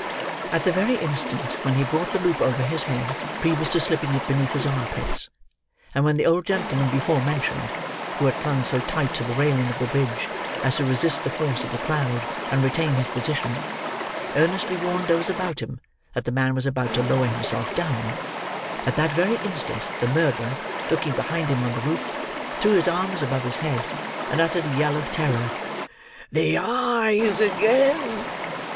At the very instant when he brought the loop over his head previous to slipping it beneath his arm pits, and when the old gentleman before mentioned (who had clung so tight to the railing of the bridge as to resist the force of the crowd, and retain his position) earnestly warned those about him that the man was about to lower himself down—at that very instant the murderer, looking behind him on the roof, threw his arms above his head, and uttered a yell of terror. "The eyes again!"